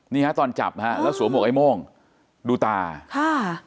นี่ฮะตอนจับฮะแล้วสวมหวกไอ้โม่งดูตาค่ะ